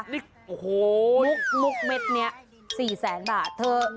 มุกเม็ดนี้๔๐๐๐๐๐บาท